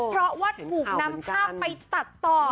เพราะว่าถูกนำภาพไปตัดต่อ